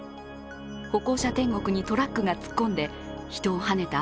歩行者天国にトラックが突っ込んで人をはねた